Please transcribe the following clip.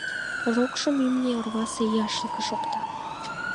Рокшым имне орвасе яшлыкыш опта.